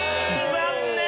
残念。